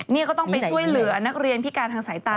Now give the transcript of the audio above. นี่ก็ต้องไปช่วยเหลือนักเรียนพิการทางสายตา